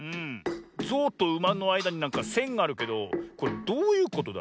ゾウとウマのあいだになんかせんがあるけどこれどういうことだ？